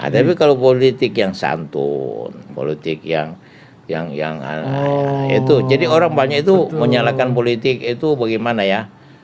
tapi kalau politik yang santun politik yang itu jadi orang banyak itu menyalahkan politik itu bagaimana ya